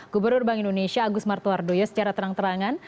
gubernur bank indonesia agus martowardoyo secara terang terangan